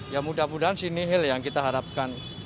ya mudah mudahan sini hil yang kita harapkan